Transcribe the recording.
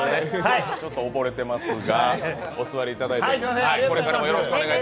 ちょっと溺れてますが、お座りいただいて。